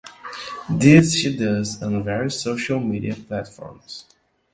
This she does on various social media platforms.